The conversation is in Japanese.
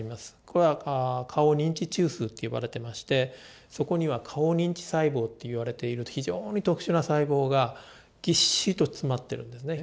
これは顔認知中枢って呼ばれてましてそこには顔認知細胞っていわれている非常に特殊な細胞がぎっしりと詰まってるんですね。